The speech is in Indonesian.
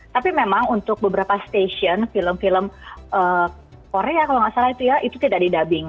tapi memang untuk beberapa stasiun film film korea kalau nggak salah itu ya itu tidak di dubbing